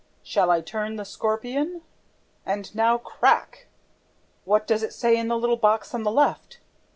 'SHALL I TURN THE SCORPION?' ... And now, crack! What does it say in the little box on the left?